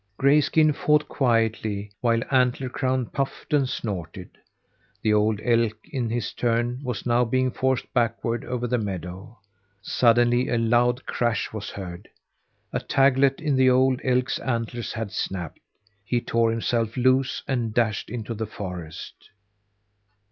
Grayskin fought quietly, while Antler Crown puffed and snorted. The old elk, in his turn, was now being forced backward over the meadow. Suddenly a loud crash was heard! A taglet in the old elk's antlers had snapped. He tore himself loose, and dashed into the forest.